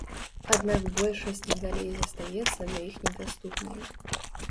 Аднак большасць надалей застаецца для іх недаступнай.